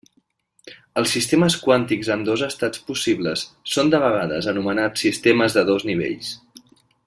Els sistemes quàntics amb dos estats possibles són de vegades anomenats sistemes de dos nivells.